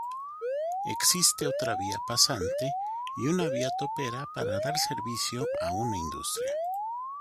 Existe otra vía pasante y una vía topera para dar servicio a una industria.